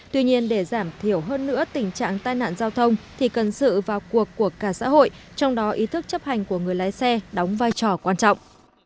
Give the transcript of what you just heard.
tuy nhiên để giảm thiểu hơn nữa tình trạng tai nạn giao thông thì cần sự vào cuộc của cả xã hội trong đó ý thức chấp hành của người lái xe đóng vai trò quan trọng